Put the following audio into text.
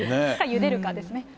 ゆでるかですね。